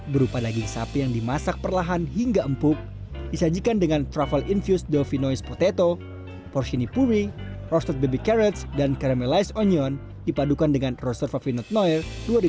berupa daging sapi yang dimasak perlahan hingga empuk disajikan dengan truffle infused dauphinoise potato porcini puri roasted baby carrots dan caramelized onion dipadukan dengan roasted favinoise dua ribu enam belas